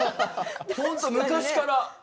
本当、昔から。